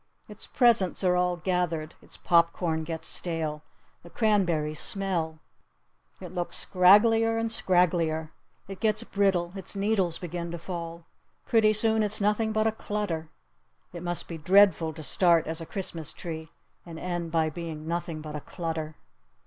Its presents are all gathered. Its pop corn gets stale. The cranberries smell. It looks scragglier and scragglier. It gets brittle. Its needles begin to fall. Pretty soon it's nothing but a clutter. It must be dreadful to start as a Christmas tree and end by being nothing but a clutter.